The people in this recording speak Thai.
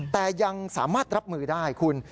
แต่ยังสามารถรับมือได้คุณ